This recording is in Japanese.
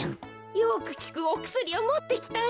よくきくおくすりをもってきたよ。